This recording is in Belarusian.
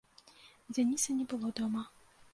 Дзяніса не было дома.